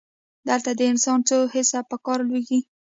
دلته د انسان څو حسه په کار لویږي.